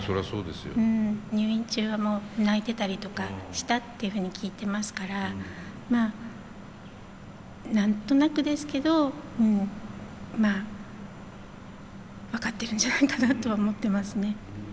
入院中は泣いてたりとかしたっていうふうに聞いてますからまあ何となくですけど分かってるんじゃないかなとは思ってますね。